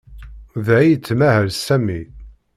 Da ay yettmahal Sami.